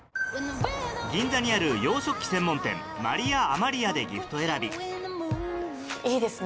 銀座にある洋食器専門店マリアアマリアでギフト選びいいですね